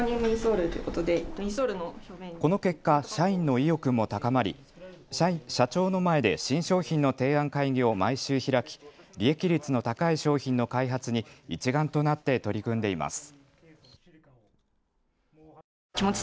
この結果、社員の意欲も高まり社長の前で新商品の提案会議を毎週、開き利益率の高い商品の開発に一丸となって取り組んでいます。